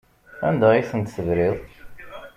Anda ay tent-tebriḍ?